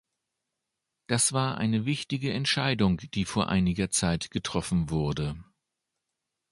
Das war eine wichtige Entscheidung, die vor einiger Zeit getroffen wurde.